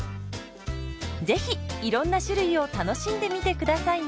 是非いろんな種類を楽しんでみて下さいね。